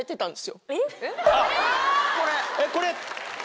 これ。